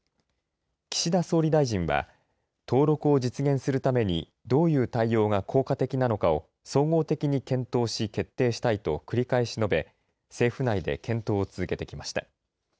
岸田総理大臣は登録を実現するためにどういう対応が効果的なのかを総合的に検討し決定したいと繰り返し述べ政府内で検討を続けてきました。